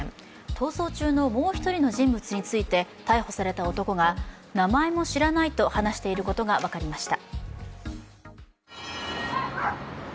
逃走中のもう一人の人物について逮捕された男が名前も知らないと話していることが分かりました。